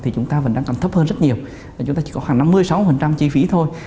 thì chúng ta vẫn đang còn thấp hơn rất nhiều chúng ta chỉ có khoảng năm mươi sáu chi phí thôi